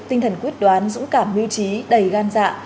tinh thần quyết đoán dũng cảm mưu trí đầy gan dạ